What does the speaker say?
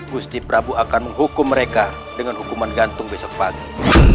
gusti prabu akan menghukum mereka dengan hukuman gantung besok pagi